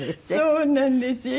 そうなんです。